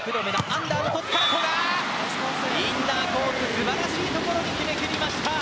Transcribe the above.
素晴らしいところに決めてきました！